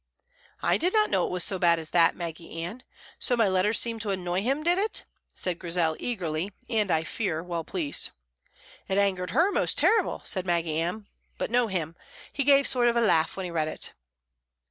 "I did not know it was so bad as that, Maggy Ann. So my letter seemed to annoy him, did it?" said Grizel, eagerly, and, I fear, well pleased. "It angered her most terrible," said Maggy Ann, "but no him. He gave a sort of a laugh when he read it."